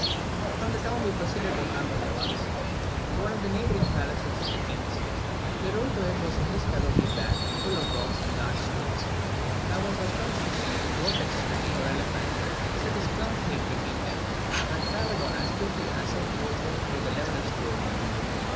From the town we proceeded to Armornevas, one of the neighbouring palaces of the king's. The road to it was indescribably bad, full of rocks and large stones. I was astonished to see with what dexterity our elephant set his plump feet between them, and travelled on as quickly as if he was going over the levellest road.